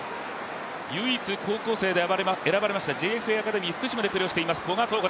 唯一高校生で選ばれましたＪＦＡアカデミー福島でプレーしています。